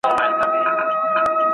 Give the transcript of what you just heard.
چي په دام كي اسير نه سي كوم موږك دئ.